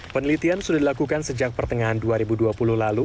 penelitian sudah dilakukan sejak pertengahan dua ribu dua puluh lalu